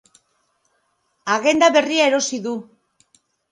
Agenda berria erosi du.